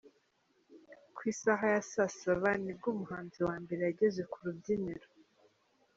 Ku isaha ya saa saba ni bwo umuhanzi wa mbere yageze ku rubyiniro.